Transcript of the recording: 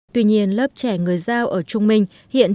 tuy nhiên lớp trẻ người giao ở trung minh hiện